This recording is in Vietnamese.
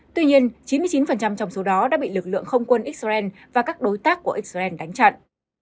tuy nhiên chín mươi chín trong số đó đã bị lực lượng không quân israel và các đối tác của israel đánh chặn